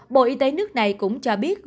bộ y tế nước này cũng cho biết